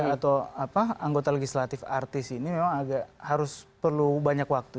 atau anggota legislatif artis ini memang agak harus perlu banyak waktu